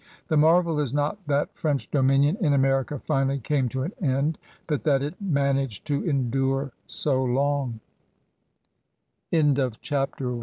The marvel is not that French dominion in America finally came to an end but that it man aged to endure so l